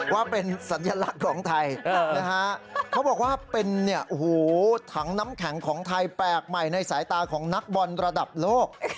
ว่าเป็นสัญลักษณ์ของไทยนะฮะเขาบอกว่าเป็นถังน้ำแข็งของไทยแปลกใหม่ในสายตาของนักบอลระดับโลก